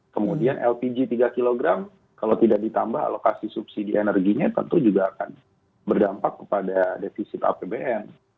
kemudian lpg tiga kg kalau tidak ditambah alokasi subsidi energinya tentu juga akan berdampak kepada defisit apbn